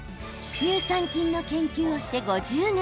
乳酸菌の研究をして５０年。